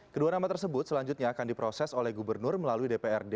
kedua nama tersebut selanjutnya akan diproses oleh gubernur melalui dprd